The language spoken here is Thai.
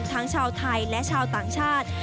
ชาวไทยและชาวต่างชาติ